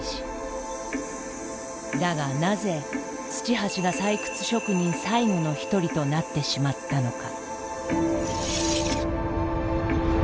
だがなぜ土橋が採掘職人最後の一人となってしまったのか。